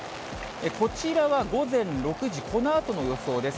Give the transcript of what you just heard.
こちらは午前６時、このあとの予想です。